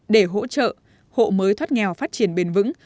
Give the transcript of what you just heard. để hỗ trợ hộ mới thoát nghèo phát triển bền vững